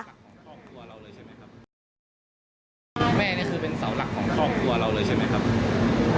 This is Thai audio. คุณแม่เนี่ยคือเป็นเสาหลักของครองตัวเราเลยใช่ไหมครับ